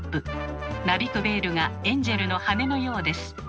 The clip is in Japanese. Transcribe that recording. なびくベールがエンジェルの羽のようです。